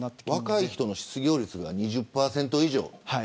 若い人の失業率が２０％以上。